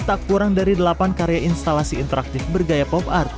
tak kurang dari delapan karya instalasi interaktif bergaya pop art